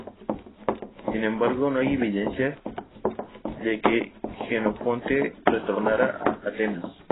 Sin embargo, no hay evidencia de que Jenofonte retornara a Atenas.